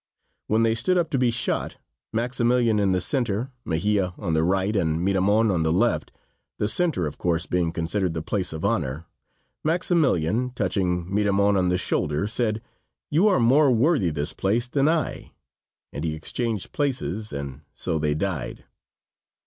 When they stood up to be shot, Maximilian in the center, Mejia on the right and Miramon on the left, the center of course being considered the place of honor, Maximilian, touching Miramon on the shoulder, said: "You are more worthy this place than I," and he exchanged places, and so they died.